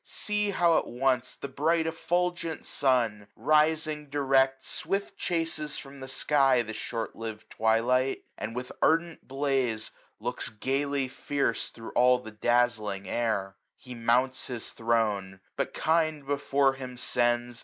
See, how at once the bright eflfulgent sun, 635 Risiqg direct swift chases from the sky The short liv'd twilight j and with ardent blaze Looks gayly fierce thro* all the dazzling air. , He mounts his throne; but kind before him sends.